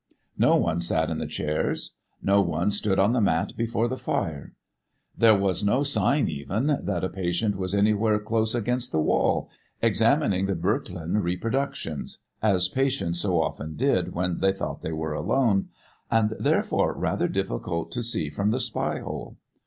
No one sat in the chairs; no one stood on the mat before the fire; there was no sign even that a patient was anywhere close against the wall, examining the Böcklin reproductions as patients so often did when they thought they were alone and therefore rather difficult to see from the spy hole.